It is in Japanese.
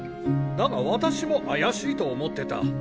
だが私も怪しいと思ってた。